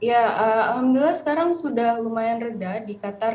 ya alhamdulillah sekarang sudah lumayan reda di qatar